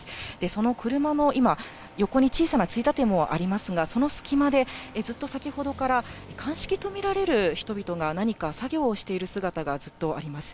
その車の、今、横に小さなついたてもありますが、その隙間で、ずっと先ほどから鑑識と見られる人々が、何か作業をしている姿がずっとあります。